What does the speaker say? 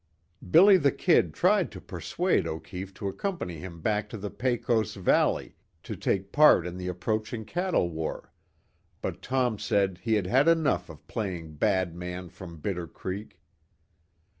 "Billy the Kid" tried to persuade O'Keefe to accompany him back to the Pecos valley, to take part in the approaching cattle war, but Tom said he had had enough of playing "bad man from Bitter Creek."